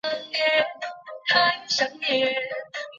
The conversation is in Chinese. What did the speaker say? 这是村上春树的第九部长篇小说。